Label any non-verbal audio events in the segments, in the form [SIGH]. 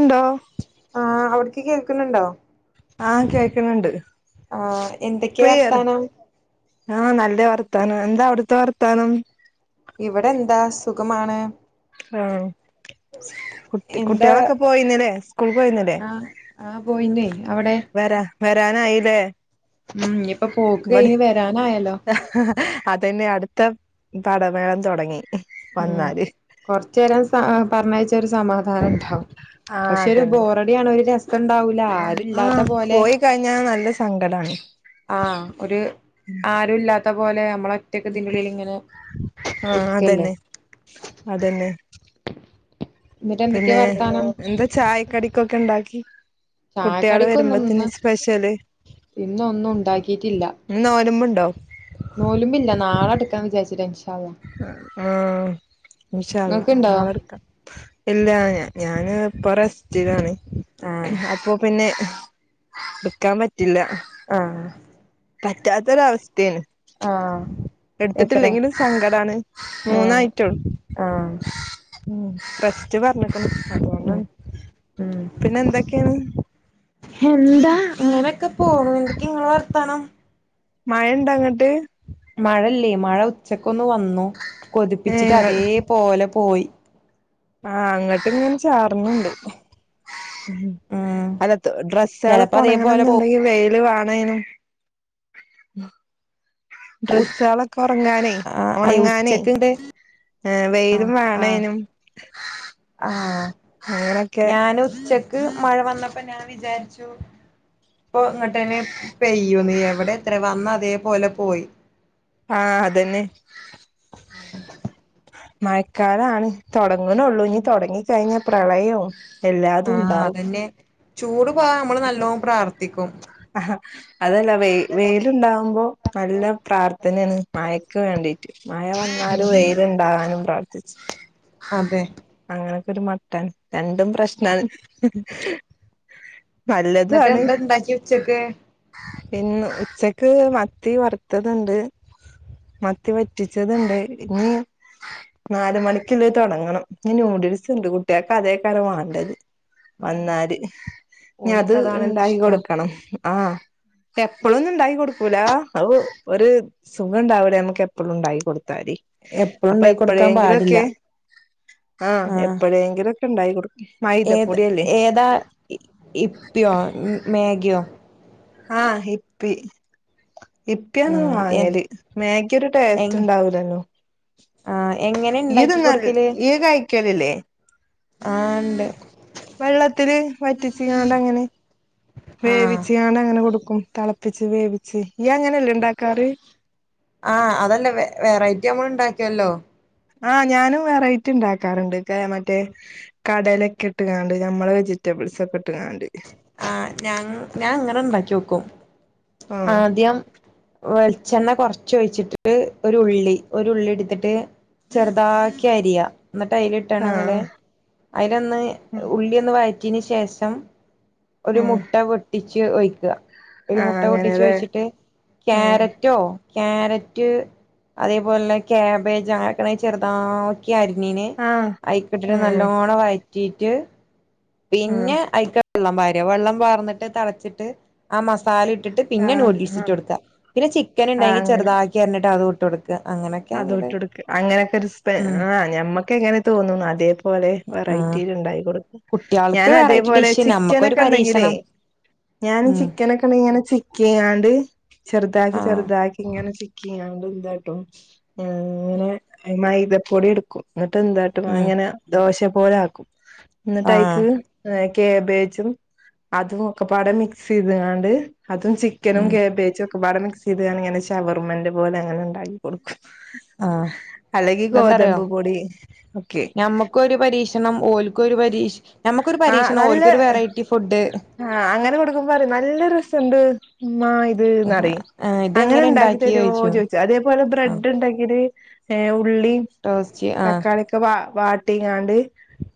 എന്തോ? ആ അവിടക്ക് കേൾക്കുന്നുണ്ടോ? ആഹ് കേക്ക്ണ് ണ്ട് ആഹ് എന്തൊക്കെ വർത്താനം? ആഹ് നല്ല വർത്താനം എന്താ അവിടുത്തെ വർത്താനം ഇവിടെന്താ സുഖമാണ് ആഹ് കു എന്താ കുട്ട്യാളൊക്കെ പോയിന്നല്ലേ സ്കൂൾക്ക് പോയിന്നല്ലേ? ആഹ് ആഹ് പോയിന്നേ അവിടെ വെരാ നായിലേ? ഉം ഇഞ്ഞിപ്പൊ പോക്ക് കഴിഞ് വരാനായല്ലോ? അതന്നെ അടുത്ത പടമേളം തൊടങ്ങി വന്നാല് കൊറച്ചേരം സ പറഞ്ഞയ്ച്ചാ ഒരു സമാധാനണ്ടാവും ആഹ് പക്ഷെ ഒരു ബോ അതന്നെ ഇബടി ആണേല് രസണ്ടാ ആഹ് പോയി കഴിഞ്ഞാൽ നല്ല സങ്കടാണ് ആഹ് ഒര് ആരുല്ലാത്ത പോലെ നമ്മളെ ഒറ്റക്ക് ഇതിൻ്റെ ഉള്ള്ല് ഇങ്ങനെ ആഹ് ഇരിക്കല്ലേ അതന്നെ അതന്നെ എന്നിട്ട് എന്തൊക്കെയാ പിന്നെ വർത്താനം ന്താ ചായ കടിക്കൊക്കെ ഇണ്ടാക്കി കുട്ട്യാള് ചായക്കടിക്കൊന്നും വരുമ്പോത്തിന് സ്പെഷ്യല് ഇന്ന് ഒന്നും ഉണ്ടാക്കിയിട്ടില്ല ഇന്ന് നോൽബ്ണ്ടോ നോല്മമ്പ്ല്ല നാളെടുക്കാന്ന് വിചാരിച്ചട്ട് ആ ഹ് ഇൻഷാല്ലഹ് ഇങ്ങക്ക്ണ്ടോ? നാളെ ഇട്ക്ക ഇല്ലഞ ഞാന് ഇപ്പ റസ്റ്റിലാണ് ആഹ് അപ്പൊ അപ്പ പിന്നെ ഇട്ക്കാൻ പറ്റില്ല ആഹ് പറ്റാത്തൊരു അവസ്ഥോണ് ആഹ് എത്ര സങ്കടാണ് ആഹ് മൂന്നായിട്ടുള്ളൂ ആഹ് ഉം റ സ്റ്റ് പറഞ്ഞിക്ക്ണ് അത് ഉം കൊണ്ടാണ് ഉം പിന്നെ എന്തൊക്കെയാണ്? എന്താ അങ്ങനെയൊക്കെ പോണ് എന്തക്കെ നിങ്ങളെ വർത്താനം മഴ ഇണ്ടാ അങ്ങട്ട് മഴയില്ലേ മഴ ഉച്ചക്കൊന്ന് വന്നു കൊതിപ്പിച്ചിട്ട് ഏഹ് അതേപലെ പോയി ആഹ് അങ്ങട്ട് ഇങ്ങനെ ചാർന്ന്ണ്ട് ഉം അല്ല ഡ്രസ്സള് ചെലപ്പോ ഉണങ്ങണം അതേപോലെ പോ എന്നുണ്ടെങ്കിൽ വെയിൽ വേണേനും ഡ്രെസ്സള് ഒക്കെ ഒറങ്ങാനേ ആഹ് ഒണങ്ങാനേ ഉച്ചക്ക്ണ്ട് ഏഹ് വെയിലും ആഹ് വാണേനും ആഹ് ഞാൻ ഉച്ചക്ക് മഴ വന്നപ്പോ ഞാൻ വിചാരിച്ചു ഇപ്പൊ ഇങ്ങട്ടെ പെയ്യുംന്ന് എവിടെ അത്ര വന്ന അതേപോലെ പോയി ആഹ് അതെന്നെ മയക്കാലാണ് തൊടങ്ങ്ണൊള്ളൂ ഇനി തൊടങ്ങി കഴിഞ്ഞൽ പ്രളയാവും ആഹ് അതന്നെ ചൂട് പോകൻ നമ്മള് നല്ലോണം പ്രാർത്ഥിക്കും ആഹ് അതല്ല പറഞ്ഞെ വെ വെയിലുണ്ടാവുമ്പോ? നല്ല പ്രാർത്ഥനയാണ് മാഴക്ക് വേണ്ടിട്ട് മഴ വന്നാലൊ വെയിൽ ഉണ്ടാകാനും പ്രാർന തിച്ച് അതെ അങ്ങനെയൊക്കെ ഒരു മട്ടാണ് രണ്ടും പ്രശ്നാണ് എന്നിട്ട് എന്താ ഇണ്ടാക്ക്യ ഉച്ചക്ക്? ഇന്ന് ഉച്ചക്ക് മത്തി വറുത്തതുണ്ട് മത്തി വറ്റിച്ചതുണ്ട് ഇനി നാല് മണിക്കുള്ളത് തൊടങ്ങണം ന്യൂഡിൽസ് ഇ ണ്ട് കുട്ട്യാൾക്ക് അതേയ് കാരം വേണ്ടത് ഉം വന്നാല് ഇനി അത് ഓൽക്ക് അതാണല്ലോ ഇണ്ടായി ഇഷ്ടം കൊടുക്കണം ആഹ് എപ്പഴൊന്നും ഇ ണ്ടായി കൊടുക്കൂല അഹ് ഒരു സുഖം ഇ ണ്ടാവുല്ല നമക്ക് എപ്പഴും ഇണ്ടാക്കി കൊടുത്താൽ എപ്പഴും അപ്പൊ ഉണ്ടാക്കി കൊടുക്കാൻ പാടില്ല എപ്പോഴെങ്കിലുംഒക്കെ ആഹ് എപ്പോഴെങ്കിലുംഒക്കെ ഇണ്ടാക്കി കൊടുക്കും. മൈദപൊടിഅല്ലെ? ഇ ഇപ്പിയോ മേഗിയോ? ആഹ് ഹിപ്പി ഇപ്പിയാണ് ഉം എ വാങ്ങല് മേഗിയൊരു എങ് ടേസ്റ്റ്ണ്ടാവൂലല്ലോ? ആഹ് എങ്ങനെ ഇയ് ഇണ്ടാക്കി തിന്നല കൊടുക്കല് ഇയ് കഴിക്കലില്ലേ? ആഹ് ണ്ട് വെള്ളത്തില് വറ്റിച്ച്കാണ്ടങ്ങനെ ആഹ് വേവിച്ച്കാണ്ടങ്ങനെ കൊടുക്കും തളപ്പിച്ച് വേവിച്ച് ഈയങ്ങനെല്ലേ ഇണ്ടാക്കാറ് ആഹ് അതന്നെ വെ വെറൈറ്റി നമ്മള്ണ്ടാക്കിയല്ലോ? ആഹ് ഞാനും വെറൈറ്റിണ്ടാക്കാറുണ്ട് കേ മറ്റേ കടലെക്ക്ട്ടുകാണ്ട് നമ്മെളെ വെജിറ്റബിൾസൊക്കെ ഇട്ട്കാണ്ട് ആഹ് ഞങ് ഞാങ്ങനെണ്ടാക്കി ഓക്കും ആഹ് ആദ്യം വെളിച്ചെണ്ണ കൊറച്ച് ഒഴിച്ചിട്ടിട്ട് ഒരു ഉള്ളി ഒരു ഉള്ളിടുത്തിട്ട് ചെറുതാക്കി അരിയാ ന്നിട്ട് അയ്ലിട്ടാണണങ്ങനെ ആഹ് അയ്ലൊന്ന് ഉം ഉള്ളി ഒന്ന് വയറ്റിന് ശേഷം ഒരു ഉം മുട്ട പൊട്ടിച്ച് ഒയ്ക്കാ ആഹ് മുട്ട പൊട്ടിച്ച് അങ്ങനെല്ലേ ഒയ്ച്ചിട്ട് ഉം കാരറ്റ് റ്റൊ കാരറ്റ് അതേപോലെന്നെ കാബേജ് അങ്ങനക്കണെങ്കി ചെറുതാ ക്കി അരിന്നിന് ആഹ് ആയിക്കിട്ടിട്ട് ഉം ഉം നല്ലോണം വയറ്റിട്ട് ആഹ് പിന്നെ ഐക്ക് [UNINTELLIGIBLE] വെള്ളം വാര്അ വെള്ളം വാർന്നിട്ട് തെളച്ചിട്ട് ആ മസാല ഇട്ടിട്ട് പിന്നെ ആഹ് നൂഡിൽസ് ഇട്ട് ആഹ് കൊടുക്ക പിന്നെ ആഹ് ചിക്കന്ണ്ടെങ്കി അങ്ങനെ ചെറുതാക്കി അരിഞ്ഞിട്ട് അതൂട്ട് കൊടുക്ക്ക അങ്ങനെ. അതും ഇട്ട് കൊടുക്ക അങ്ങനെയൊക്കെ ഒരു സ്പെ ആഹ് ഞമ്മക്കെങ്ങനെ തോന്നുന്നു അതേപോലെ ആഹ് വെറൈറ്റില് ഉണ്ടായി കൊടുക്കും കുട്ടികൾക്ക് വെറൈറ്റി ഞാനതേപോലെ ഡിഷ് നമ്മക്കൊരു ചിക്കനൊക്കെണ്ടെങ്കിലേ പരീക്ഷണം ഞാൻ ഉം ചിക്കനക്കെ ച ഇങ്ങനെ ചിക്ക്യ്യാണ്ട് ചെറുതാക്കി ആഹ് ചെറുതാക്കി ഇങ്ങനെ ച [UNINTELLIGIBLE] അങ്ങനെ മൈദപ്പൊടി എടുക്കും എന്നിട്ട് എന്ത ഉം അങ്ങനെ ദോശ പോലാക്കും ആഹ് എന്നിട്ടൈക്ക് ആഹ് കേബേജും അതും ഒക്കെ പാടെ മിക്സ് ചെയ്ത്കാണ്ട് അതും ചിക്കനും ഉം കേബേജൊക്കെപ്പാട് മിക്സെയ്ത് ഞാനിങ്ങനെ ശവർമന്റ പോലെ അങ്ങനെണ്ടാക്കി കൊടുക്കും ആഹ് അല്ലെങ്കി തെന്താറിയോ ഗോതമ്പ് പൊടി ഒക്കെ ഞമ്മ ക്കൊരു പരീക്ഷണം ഓൽക്കൊരു പരീഷ് ഞമ്മക്കൊരു ആ പരീക്ഷണം നല്ല ഓൽക്കൊരു വെറൈറ്റി ഫുഡ് ആഹ് അങ്ങനെ കൊടുക്കുമ്പറയും നല്ല രസുണ്ട് ഉമ്മാ [UNINTELLIGIBLE] ത് ന്നറയും ആ ഇതെങ്ങനെ ഇണ്ടാക്കിയെ അങ്ങനണ്ടാക്കിതരോന്ന് ചോയിച്ചു ചോയ്ച്ച് അതേപോലെ ആഹ് ബ്രെഡ്ണ്ടാക്കിത് ഏ ഉള്ളി ടോസ്റ്റ് ആഹ് തക്കാളിക്കെ വാ വാട്ടിങ്ങാണ്ട്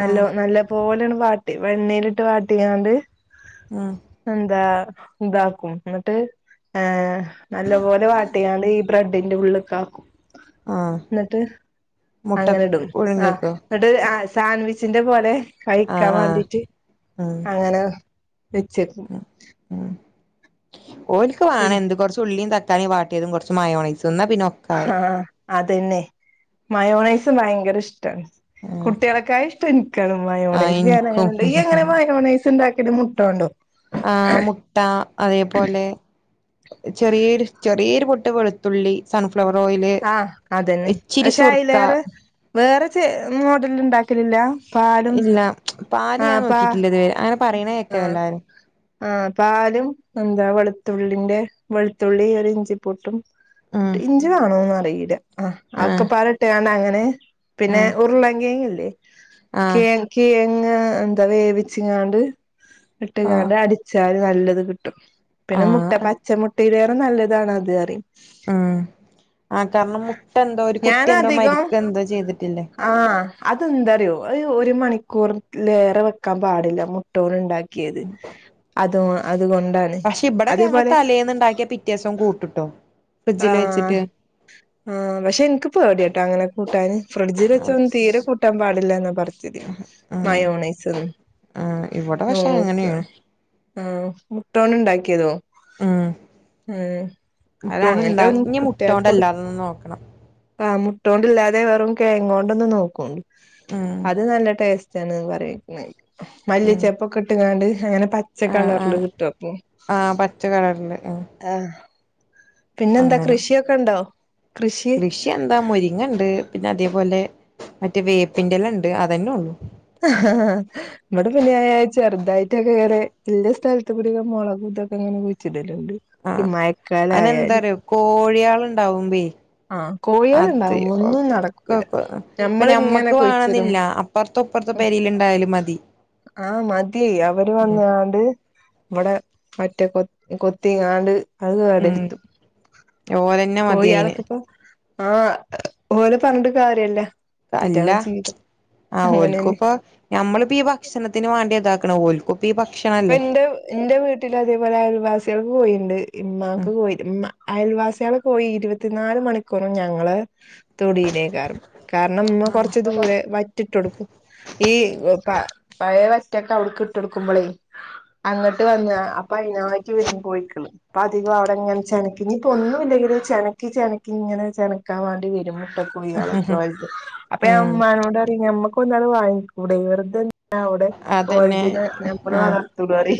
നല്ലൊ ആഹ് നല്ല പോലാണ് വാട്ടി വെണ്ണേലിട്ട് വാട്ടിങ്ങാണ്ട് ആഹ് എന്താ ഇതാക്കും എന്നിട്ട് ഏഹ് നല്ല പോലെ വാട്ടിങ്ങാണ്ട് ബ്രെഡിന്റെ ഉള്ള്ക്കാക്കും ആഹ് എന്നിട്ട് മുട്ട അങ്ങന്ടും ആഹ് പുഴുങ്ങിക്കോ എന്നിട്ട് ആഹ് സാൻ വിച്ചിന്റെ പോലെ കഴിക്കാൻ ആഹ് ആഹ് വേണ്ടിട്ട് ഉം അങ്ങനെ വെച്ച് [UNINTELLIGIBLE] ഉം ഓല്ക്ക് വേണം പിന്നെ എന്ത് കൊറച്ച് ഉള്ളീം തക് ക്കാളി വാട്ടിയതും കൊറച്ച് മായോണൈസും ന്നാ പിന്നോ ഹാ അതന്നെ മയോണൈസും ഭയങ്കരഷ്ടാണ് ഉം കുട്ട്യളക്കായിഷ്ടം എനിക്കാണ്. ആഹ് മയോണൈസ് ഇൻക്കും ഞാനങ്ങനെണ്ട് ഈയെങ്ങനെ മയോണൈസ്ണ്ടാക്കിട്ന്ന് ട്ടൊണ്ടോ [UNINTELLIGIBLE] ആഹ് മുട്ട അതേപോലെ ചെറിയേരു ചെറിയേരു മുട്ട വെളുത്ത തുള്ളി സൺഫ്ലവറോയില് ആഹ് അതന്നെ ഇച്ചിരി പക്ഷെ സുർക്ക അയിലേറെ വേറെ ച മോഡല ഉണ്ടാക്കലില്ല പാലും ഇല്ല പാല് ഞാൻ ആഹ് പാ നോക്കിട്ടില്ല ഇതുവര് അങ്ങനെ പറയണേക്കല്ലാവരും ആഹ പാലും എന്താ വെളുത്തുള്ളിന്റെ വെളുത്തുള്ളി ഒരു ഇഞ്ചി പൊട്ടും ഉം ഇഞ്ചിവേണോന്ന് അറിയില്ല ആ ആഹ് ആക്കപ്പാാട ഇട്ട് കാണ്ട അങ്ങനെ പിന്നെ ആഹ് ഉരുള കേങ്ങല്ലേ ക ആഹ് കിഴങ്ങ് എന്താ വേവിിച്ചങ്ങാണ്ട് ഓഹ് ഇട്ടുകാണ്ട് അടിച്ചാല് നല്ലത് കിട്ടും പിന്നെ മുട്ട ആഹ് പച്ച മുട്ട ഇതിലേറെ നല്ലതാണ് അത് അറിയും ഉം ആ അതാവുമ്പോ മുട്ട എന്തോ ഒരു കുത്തിയ എന്തോ മരിക്ക എന്തോ ചെയ്തിട്ടില്ലേ ആഹ അതെന്താറിയോ ഒരു മണിക്കൂർ ലേറെ വെക്കാൻ പാടില്ല മുട്ടോണ്ട് ഉണ്ടാക്കി യത് അതൊ അത് കൊണ്ടാ പക്ഷെ ഇവിടെയൊക്കെ ഞങ്ങൾ തലേന്നുണ്ടാക്കിയാ പിറ്റേദിവസം കൂട്ടും ട്ടോ ആ് ആ പക്ഷെ എനിക്ക് പേടിയാട്ടോ അങ്ങനെ കൂട് ട്ടാൻ ഫ്രിഡ്ജിൽ വെച്ച ഒന്നും തീരെ കൂട്ടാൻ പാടില്ല എന്ന പറഞ്ഞത് ആ മയോണൈസ് ഒന്നും ആ ഇവിടെ പക്ഷെ നോക്ക അങ്ങനെയാണ് ആ മുട്ടോണ്ട് ഉണ്ടാക്കിയതോ ഉം ഉം അത മുട്ടോണ്ട് അങ്ങനത്തെ ഇണ്ടാ ഒന്നും ഇനി കുട്ട്യാൾക്ക് മുട്ടോണ്ട് കൊടു അല്ലാതൊന്ന് നോക്കണം ആ മുട്ടൊണ്ടില്ലാതെ വെറും കങ്ങ കൊണ്ടൊന്നും നോക്കൂ ഉം അത് നല്ല ടേസ്റ്റ് ച്ച പറ ഉം മല്ലിച്ചപ്പൊക്കെ ഇട്ടങ്ങാണ്ട് അങ്ങനെ പച്ച കളറില് കിട്ടും ആഹ പച്ച കളറില് ആഹ പിന്നെ എന്താ കൃഷിയൊക്കെ ഉണ്ടോ കൃഷി പക്ഷെ എന്താ മുരിങ്ങ ഉണ്ട് പിന്നെ അതേപോലെ മറ്റേ വേപ്പിൻറെല്ല ണ്ട് അതന്നെ ഉള്ളു ആഹ നമ്മുടെ പനിയായാഴ് ഇവിടെ പിന്നെചെറുതായിട്ടൊക്കെ ഉള്ളസ്ഥലത്തൊക്കെ കൂടിൊക്കെ മുളകൂതൊക്കെ ഇങ്ങനെ കുഴിച്ച ടലുണ്ട് ആ് അനെന്താറോ കോഴിയാളുണ്ടാവുമ്പ ആഹ് അതെയ കോഴികളുണ്ടാവുമ്പോ ഒന്നും ഒക്ക നടക്കൂല ഞമ്മളിങ്ങനെ ഇപ്പൊഞമ്മക്ക് കുഴിച്ചിടും വേണെന്നില്ല അപ്പറത്ത ഇപ്പുറത്തെ പേരൽ ഉണ്ടായാലും മതി. ആഹ മതി. അവര് ഉം വന്നാണ്ട്. ഇവിടെ മറ്റേ കൊ കൊത്തിങ്ങാണ്ട് അത് കേടെ ഉം രുത്തും. ഓലന്നെ മതി അയിന് കോഴിയാളക്കെ ഇപ്പോ. ആഹ ഓലെ പറഞ്ഞിണ്ട് കാര്യല്ല. അല്ല. ഇറ്റാളെ ജീവിതം ആ ഓൽക്കും അങ്ങനെയാണ് ഇപ്പൊ നഞമ്മളിപ്പോ ഈ ഭക്ഷണത്തിന് വേണ്ടി ഇതാക്കണഓല്ക്ക് ഓല്ക്കിഭക്ഷണം ഇപ്പൊ എന്റെ എന്റെ വീട്ടില് അതേപോലെ അയൽവാസികൾക്ക് കോഴിണ്ട്. ഉം ഉമ്മാക്ക് കോഴി. ഉമ്മ അയൽവാസികള കോഴി ഇരുപത്തിനാല് മണിക്കൂറും ഞങ്ങളെ തൊടയിലേക്കാറും. കാരണംമ്മ കൊറച്ച ദൂരെ ഇ ഇട്ടൊടുക്കും. ഈ പഴയ വറ്റൊക്കെ അവിടുക്ക് ഇട്ട കൊടുക്കുമ്പോളേ അങ്ങോട്ട് വന്ന അപ്പൊ അതിനായിട്ട് വരും കോഴിക്കള് അപ്പ അധികം അവിടെ ഇങ്ങനെ പതിവായിചെനക്കി ഇ ഇപ്പൊന്നുമ ഇല്ലെങ്കിൽ ചെനക്ക് ചെനക്കി ഇങ്ങനെ ചെനക്കാൻ വേണ്ടി വരും കേട്ടോ കുഴികളൊക്കെത്. അപ്പൊ ഞാ ഉം ഉമാനോട് പറയു. അ നമ്മക്ക്ന്നാല വാങ്ങിക്ക്. വെറുത ആ അവിടെ ഓല അതന്നെ തിനാ ആ സുഖാടി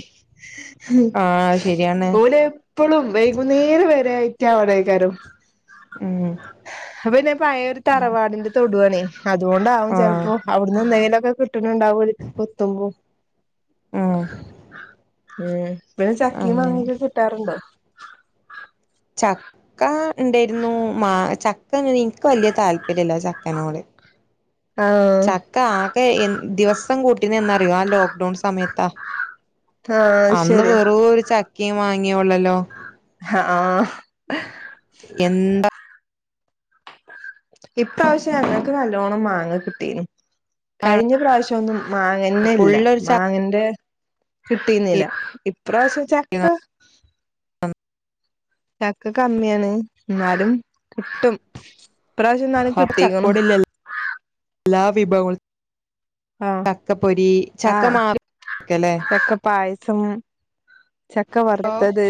ആ ശരിയാണ് പോലെ എപ്പോളും വൈകുന്നേരം വരെയിറ്റാ അവേ ടേക്കാ രം ഉം അപ്പൊ പിന്നെ പഴയ ഉം തറവാടിന്റെ തൊടുവണേ അതുകൊണ്ടാവും ആ ചിലപ്പോ. അവിടുന്ന് എന്തെങ്കിലുംക്കെ കിട്ടുന്നുണ്ടാവും എ കൊത്തുമ്പോ ആഹ് മം പിന്നെ ചക്കിയ മാങ്ങക്ക കിട്ടാറുണ്ടോ ചക്ക ഇണ്ടായിരുന്നു. മാ ചക്ക എനിക്ക് വലിയ താല്പര്യല്ല ചക്കനോട്. ആഹ ഇൻക്ക് ആകെ എ ദിവസം കൂട്ടീ എന്നറിയോ. ആ ലോക്ക്ഡൗൺ സമയത്താ ആഹ് അന്ന് ശരി വെറു ഒരു ചക്കയും മാങ്ങിയ ഉള്ളല്ലോ. ആഹ എന്താ ഇപ്രാവശ്യം ഞങ്ങൾക്ക് നല്ലോണം മാങ്ങ കിട്ടിനി. കഴിഞ്ഞ പ്രാവശ്യം പക്ഷ ഒന്നും മാങ്ങന്നെ ഇല്ല ഫുള്ളൊരു മാങ്ങന്റെ കിട്ടീന്നില്ല. ഇപ്രാവശ്യം ചക്ക ആ ചക്ക കമ്മിയാണ്. ഇന്നാലും കിട്ടും ഇപ്രാവശ്യം എന്നാലും അപ്പ കിട്ടീക്കണു ചക്കോടല്ല എല്ലാ വിഭവ ആഹ് ചക്ക പൊരി ചക്ക ആഹ് [UNINTELLIGIBLE] ക്കല്ലേ ചക്ക പായസം ചക്ക ഓ വറുത്തത്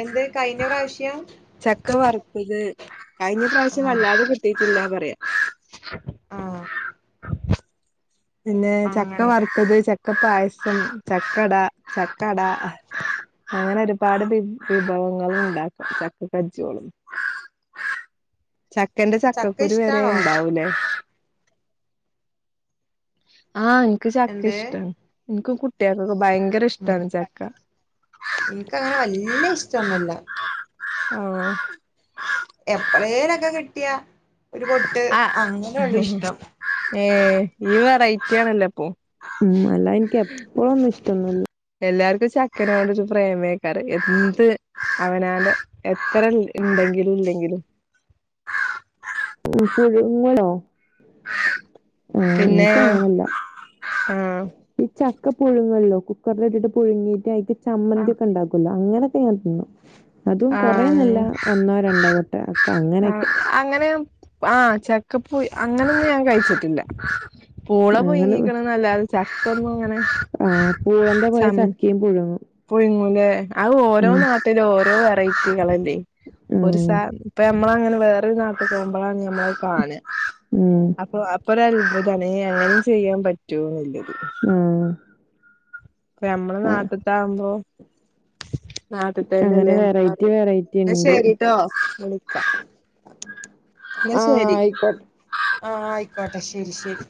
എന്ത് കഴിഞ്ഞ പ്രാവശ്യം ചക്ക വറുത്തത് കഴിഞ്ഞ പ്രാവശ്യം ആഹ് വല്ലാതെ കിട്ടീട്ടില്ല പറയാ. ആഹ് പിന്നെ ചക്ക അങ്ങനെ വറുത്തത് ചക്ക പായസം ചക്കട ചക്കട അങ്ങനെ ഒരുപാട് വി വിഭവങ്ങ ഉണ്ടാക്കും ചക്ക കജ്ജോളും ചക്കന്റെ ചക്ക ചക്കക്കുരു വരെ ഇഷ്ടാണോ ഉണ്ടാവൂലേ ആഹ് എനിക്ക് ചക്ക എന്ത് ഇഷ്ടാണ്. എനിക്കും കുട്ടികൾക്കൊക്കെ ഭയങ്കര ഇഷ്ടാണ് ചക്ക. ഇൻക്കങ്ങനെ വല്യ ഇഷ്ടൊന്നുല്ല ആഹ് എപളേ ലൊക്കെ കിട്ടിയാ ഒരു പൊട്ട് ആഹ് അങ്ങനെള്ളു ഇഷ്ടം. ഏഹ് ഇയ്യ് വെറൈറ്റി ആണല്ലോ അപ്പൊ. ഉം അല്ല എനിക്ക് എപ്പോഴൊന്നും ഇഷ്ടൊന്നി എല്ലാർക്കും ചക്കനണ്ട് ഒരു പ്രേമേക്കാറ്. എന്ത് അവനാട് എത്ര ഉണ്ടെങ്കിലും ഇല്ലെങ്കിലും ഉ പുഴുങ്ങളോ അഹ് പിന്നെ എനിക്ക അങ്ങനല്ല. ആഹ് ഈ ചക്ക പുഴുങ്ങല്ല. കുക്കറൽ ഇട്ടിട്ട് പുഴുങ്ങയിട്ട് അയ്ക്ക് ചമ്മന്തി ആഹ് ഒക്കെ ഉണ്ടാക്കുമല്ലോ അങ്ങനെ അത്ഞാൻ തിന്നും അതും കൊറേന്നുംഇല്ല ആഹ് ഒന്നോ രണ്ടോ മുട്ട ഒക്കെ ആഹ് അങ്ങനൊക്കെ അങ്ങനെ ആഹ് ചക്കപ്പുഴു അങ്ങനെയൊന്നും ഞാൻ കഴിച്ചിട്ടില്ല പൂള അങ്ങനെ പുഴിങ്ങിക്ക്ണ് നല്ലാതെ ചക്ക ഒന്നും ങ്ങനെ ആ പൂളന്റെ പോലെ ചക്കയും പുഴുങ്ങും പുഴുങ്ങുംലെ അഹ് ഓരോ ഉം നാട്ടിലും ഓരോ വെറൈറ്റികളല്ലേ ഒരു സ ഉം അപ്പൊ നമ്മള് അങ്ങനെ വേറൊരു നാട്ടിൽ പോകുമ്പോഴാണ് നമ്മളത് കാണ ഉം അപ്പൊ ഒരു അത്ഭുതാണ് ഏ അങ്ങനീം ചെയ്യാൻ പറ്റോ എന്നില്ലത് ആഹ് അപ്പോ നമ്മളെ ആഹ് നാട്ടത്തെ ആകുമ്പോ നാട്ടിത്തെ അങ്ങനെ തന്നല്ലേ വെറൈറ്റി ഞമ്മക്ക്അറിയ വെറൈറ്റി ഇന്നാ ഉണ്ട് ശരിട്ടോ വിളിക്ക ആഹ് ആയിക്കോട്ടെ ആഹ് ആയിക്കോട്ടെ ശെരി ശെരി